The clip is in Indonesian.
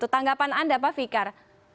tanggapan anda pak fikar